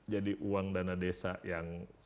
jadi uang dana desa yang